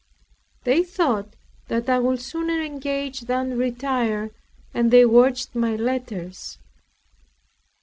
They thought that I would sooner engage than retire, and they watched my letters.